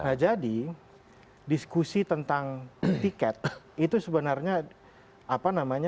nah jadi diskusi tentang tiket itu sebenarnya apa namanya